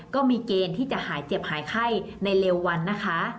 ก็มีเกณฑ์ที่จะหายเจ็บหายไข้ในเร็ววันนะคะ